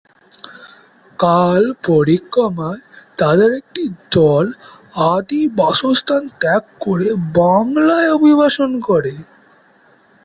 কাল পরিক্রমায় তাদের একটি দল আদি বাসস্থান ত্যাগ করে বাংলায় অভিবাসন করে।